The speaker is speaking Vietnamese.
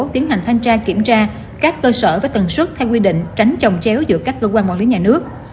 tiến hành thanh tra kiểm tra các cơ sở và tầng xuất theo quy định tránh trồng chéo giữa các cơ quan quản lý nhà nước